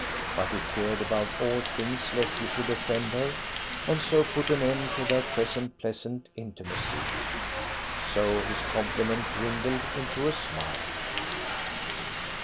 But he feared above all things lest he should offend her, and so put an end to their present pleasant intimacy. So his compliment dwindled into a smile.